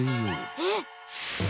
えっ？